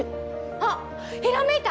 あっひらめいた！